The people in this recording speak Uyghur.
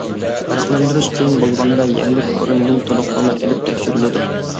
پەرقلەندۈرۈش قىيىن بولغاندا يەرلىك ئورۇندىن توقۇلما ئېلىپ تەكشۈرۈلىدۇ.